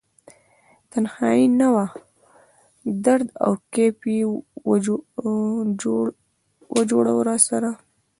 تنهایې نه وه درد او کیف یې و جوړه راسره